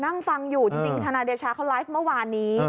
นั่งฟังอยู่จริงทนายเดชาเขาไลฟ์เมื่อวานนี้